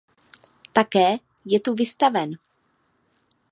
Také je tu vystaven.